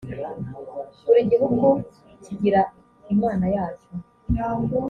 buri gihugu kigira imana yacyo